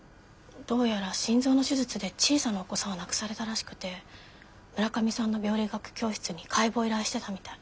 どうやら心臓の手術で小さなお子さんを亡くされたらしくて村上さんの病理学教室に解剖を依頼してたみたい。